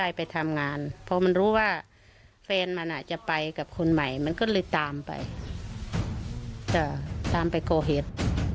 จึงเป็นชนวนให้ก่อเหตุ